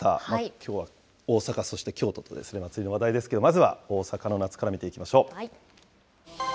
きょうは大阪、そして京都とですね、祭りの話題ですけれども、まずは大阪の夏から見ていきましょう。